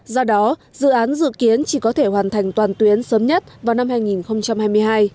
do đó dự án dự kiến chỉ có thể hoàn thành toàn tuyến sớm nhất vào năm hai nghìn hai mươi hai